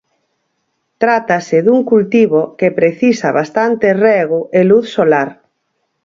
Trátase dun cultivo que precisa bastante rego e luz solar.